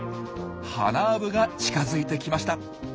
ハナアブが近づいてきました。